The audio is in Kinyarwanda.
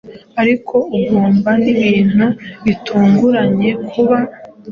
Ariko ugomba nibintu bitunguranye kuba